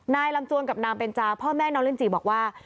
นายลำจวนกับนางเบนจาพ่อแม่น้องลินจีบอกว่า